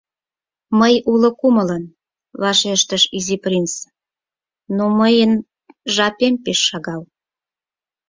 — Мый уло кумылын, — вашештыш Изи принц, — но мыйын жапем пеш шагал.